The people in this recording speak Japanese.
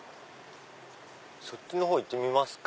そっちの方行ってみますか。